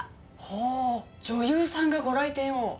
ほぉ女優さんがご来店を。